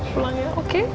pulang ya oke